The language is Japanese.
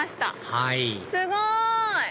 はいすごい！